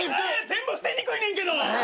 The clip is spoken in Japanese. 全部捨てにくいねんけど！